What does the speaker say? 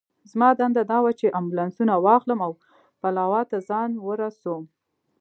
زما دنده دا وه چې امبولانسونه واخلم او پلاوا ته ځان ورسوم.